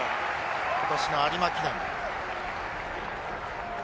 今年の有馬記念。